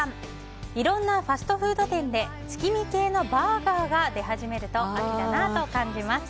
いろんなファストフード店で月見系のバーガーが出始めると秋だなと感じます。